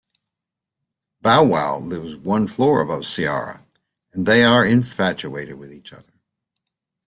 Bow Wow lives one floor above Ciara and they are infatuated with each other.